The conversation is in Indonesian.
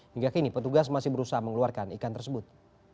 hingga kini petugas masih berusaha mengeluarkan ikan tersebut